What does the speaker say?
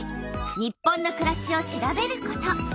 「日本のくらし」を調べること。